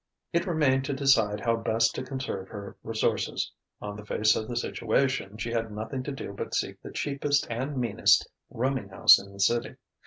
It remained to decide how best to conserve her resources. On the face of the situation, she had nothing to do but seek the cheapest and meanest rooming house in the city.